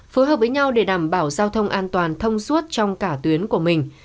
phối hợp với nhau để đảm bảo giao thông an toàn thông suốt trong cả tuyến của mình